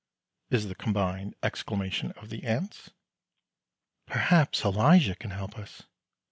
is the combined exclamation of the aunts. "Perhaps Elijah can help us."